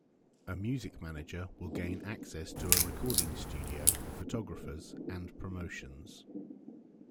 A music manager will gain access to a recording studio, photographers, and promotions.